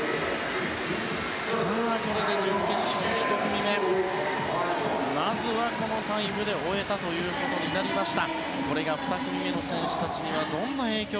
これで準決勝１組目まずはこのタイムで終えたことになりました。